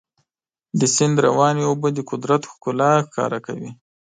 د سیند روانې اوبه د قدرت ښکلا ښکاره کوي.